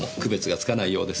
つかないようですねえ。